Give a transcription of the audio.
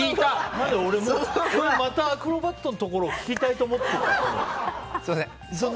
何で俺またアクロバットのところ聞きたいと思ったの？